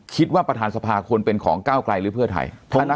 คิดว่าประธานสภาควรเป็นของเก้ากลายหรือเพื่อไทย